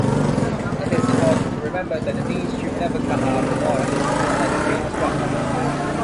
It is important to remember that the knees should never come out of the water, just like the feet as well.